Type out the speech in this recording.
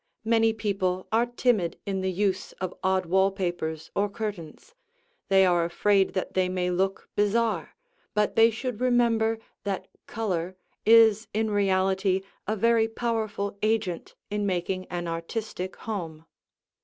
Many people are timid in the use of odd wall papers or curtains; they are afraid that they may look bizarre, but they should remember that color is in reality a very powerful agent in making an artistic home.